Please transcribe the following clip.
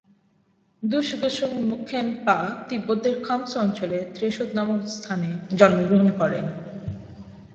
দুস-গ্সুম-ম্খ্যেন-পা তিব্বতের খাম্স অঞ্চলের ত্রে-শোদ নামক স্থানে জন্মগ্রহণ করেন।